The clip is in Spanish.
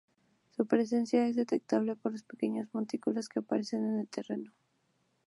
Su presencia es detectable por los pequeños montículos que aparecen en el terreno.